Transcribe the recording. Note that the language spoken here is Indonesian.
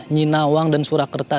nyinawang dan surakerta